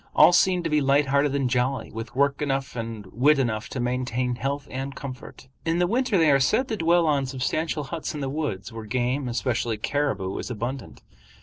All seemed to be light hearted and jolly, with work enough and wit enough to maintain health and comfort. In the winter they are said to dwell in substantial huts in the woods, where game, especially caribou, is abundant.